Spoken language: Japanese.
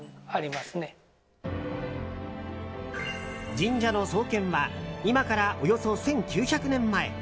神社の創建は今からおよそ１９００年前。